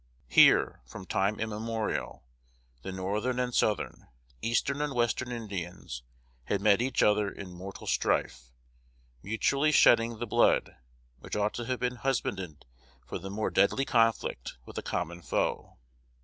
Here, from time immemorial, the northern and southern, the eastern and western Indians had met each other in mortal strife, mutually shedding the blood which ought to have been husbanded for the more deadly conflict with a common foe.